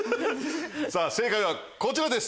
さぁ正解はこちらです。